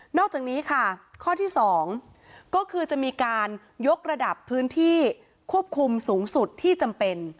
อกจากนี้ค่ะข้อที่๒ก็คือจะมีการยกระดับพื้นที่ควบคุมสูงสุดที่จำเป็น